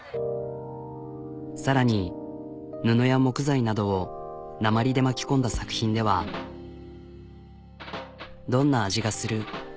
さらに布や木材などを鉛で巻き込んだ作品では「どんな味がする？」